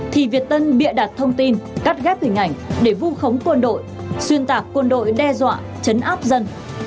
thì việt tân bịa đặt thông tin cắt ghép hình ảnh để vu khống quân đội xuyên tạc quân đội đe dọa chấn áp dân